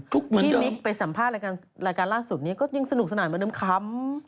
ที่มิกไปสัมภาษณ์รายการล่าสุดนี้ก็ยังสนุกสนานเหมือนเดิมค้ำ